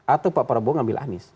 atau pak prabowo ngambil anies